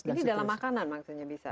jadi dalam makanan maksudnya bisa